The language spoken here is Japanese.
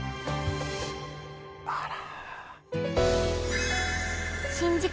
あら！